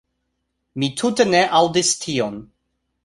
Mi tute ne aŭdis tion."